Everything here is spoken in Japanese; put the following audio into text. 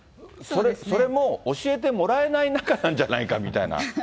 それも教えてもらえない仲なんじゃないかみたいな。